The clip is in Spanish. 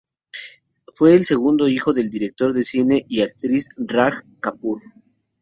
Fue el segundo hijo de un director de cine y una actriz Raj Kapoor.